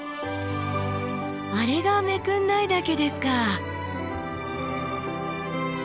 あれが目国内岳ですか！